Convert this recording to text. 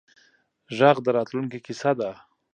غږ د راتلونکې کیسه ده